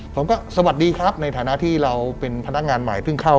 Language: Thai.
ผมก็สวัสดีครับในฐานะที่เราเป็นพนักงานใหม่เพิ่งเข้า